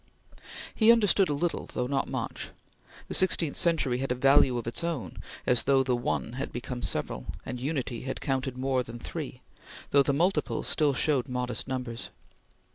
He understood a little, though not much. The sixteenth century had a value of its own, as though the ONE had become several, and Unity had counted more than Three, though the Multiple still showed modest numbers.